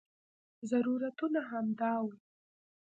ضرورتونه همدا وو.